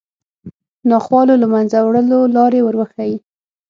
ناخوالو له منځه وړلو لارې وروښيي